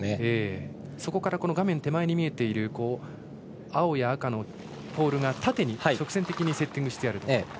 そこから画面手前に見えている青や赤のポールが、縦に直線的にセッティングしてある。